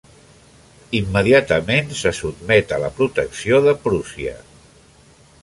Immediatament se sotmet a la protecció de Prússia.